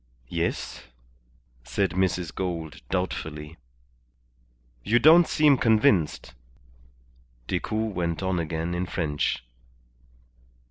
"Yes," said Mrs. Gould, doubtfully. "You don't seem convinced," Decoud went on again in French.